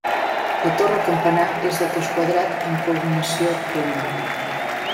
La torre-campanar, és de cos quadrat amb culminació octogonal.